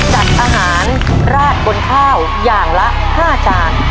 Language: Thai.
จัดอาหารราดบนข้าวอย่างละ๕จาน